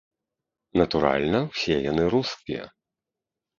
Натуральна, усе яны рускія.